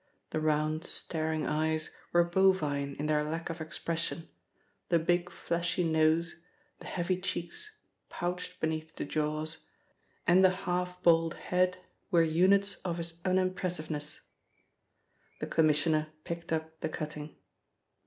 The round, staring eyes were bovine in their lack of expression, the big fleshy nose, the heavy cheeks, pouched beneath the jaws, and the half bald head, were units of his unimpressiveness. The Commissioner picked up the cutting.